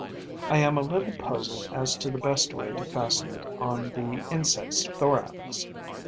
I am a little puzzled as to the best way to fasten it on the insect's thorax.